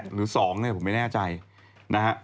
หรือ๒เนี่ยผมไม่แน่ใจนะฮะ